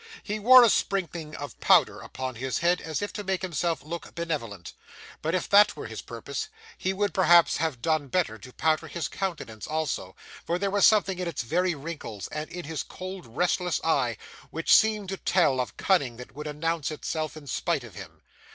He wore a sprinkling of powder upon his head, as if to make himself look benevolent; but if that were his purpose, he would perhaps have done better to powder his countenance also, for there was something in its very wrinkles, and in his cold restless eye, which seemed to tell of cunning that would announce itself in spite of him.